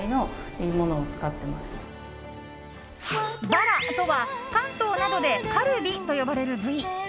バラとは関東などでカルビと呼ばれる部位。